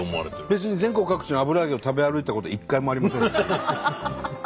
別に全国各地の油揚げを食べ歩いたことは一回もありませんし。